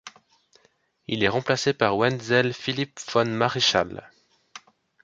Il est remplacé par Wenzel Philipp von Mareschall.